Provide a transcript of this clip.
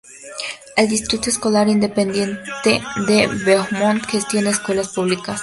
El Distrito Escolar Independiente de Beaumont gestiona escuelas públicas.